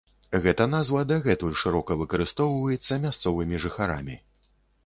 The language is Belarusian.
Гэта назва дагэтуль шырока выкарыстоўваецца мясцовымі жыхарамі.